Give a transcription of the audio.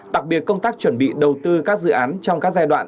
đặc biệt công tác chuẩn bị đầu tư các dự án trong các giai đoạn